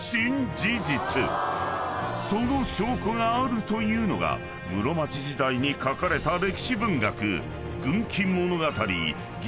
［その証拠があるというのが室町時代に書かれた歴史文学］